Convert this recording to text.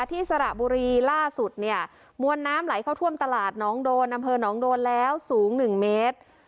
สระบุรีล่าสุดเนี่ยมวลน้ำไหลเข้าท่วมตลาดน้องโดนอำเภอหนองโดนแล้วสูง๑เมตร